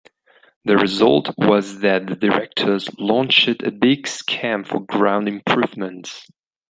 The result was that the directors launched a big scheme of ground improvements.